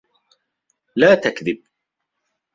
لَا تَكْذِبْ.